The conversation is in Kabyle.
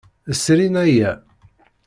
Srin aya.